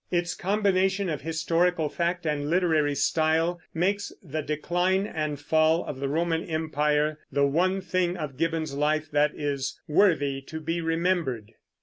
Its combination of historical fact and literary style makes The Decline and Fall of the Roman Empire the one thing of Gibbon's life that is "worthy to be remembered."